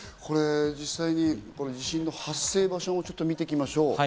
実際に地震の発生場所を見ていきましょう。